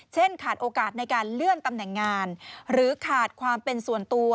ขาดโอกาสในการเลื่อนตำแหน่งงานหรือขาดความเป็นส่วนตัว